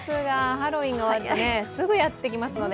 ハロウィーンが終わるとすぐやってきますので。